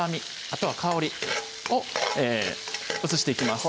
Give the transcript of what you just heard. あとは香りをうつしていきます